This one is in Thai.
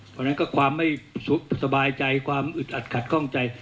เพราะฉะนั้นก็ความไม่สบายใจความอึดอัดขัดข้องใจ